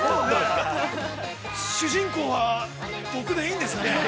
◆主人公は僕でいいんですね。